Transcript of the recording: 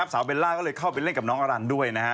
สาวเบลล่าก็เลยเข้าไปเล่นกับน้องอลันด้วย